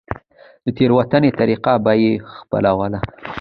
د تېرېدنې طريقه به يې خپلوله.